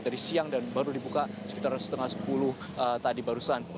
dari siang dan baru dibuka sekitar setengah sepuluh tadi barusan